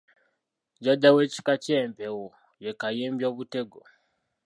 Jjajja w’ekika ky’empeewo ye Kayimbyobutego.